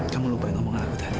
kamu lupa yang ngomongkan aku tadi